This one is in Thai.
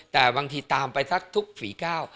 แต่บางทีตามไปสักทุกฝีก้าว